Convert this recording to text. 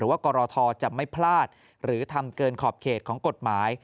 ว่ากรทจะไม่พลาดหรือทำเกินขอบเขตของกฎหมาย